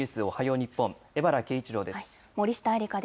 おはよう日本